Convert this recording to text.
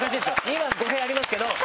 今語弊ありますけど。